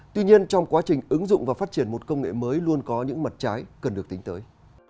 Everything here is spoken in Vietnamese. tuy nhiên trong quá trình ứng dụng và phát triển một công nghệ mới luôn có những mặt trái cần được tính tới